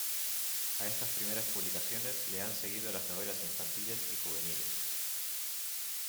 A estas primeras publicaciones le han seguido las novelas infantiles y juveniles.